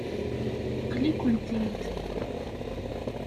Aql-ikent-id.